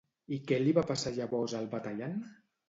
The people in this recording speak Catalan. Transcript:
I què li va passar llavors al batallant?